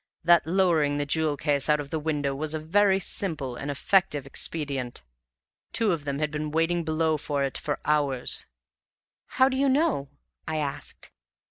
That lowering the jewel case out of the window was a very simple and effective expedient; two of them had been waiting below for it for hours." "How do you know?" I asked.